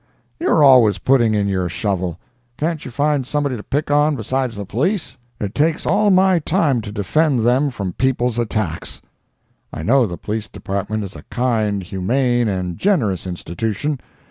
You are always putting in your shovel. Can't you find somebody to pick on besides the police. It takes all my time to defend them from people's attacks. I know the police department is a kind, humane and generous institution.